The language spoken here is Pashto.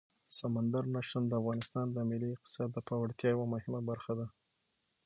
سمندر نه شتون د افغانستان د ملي اقتصاد د پیاوړتیا یوه مهمه برخه ده.